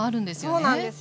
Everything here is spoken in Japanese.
そうなんですよ。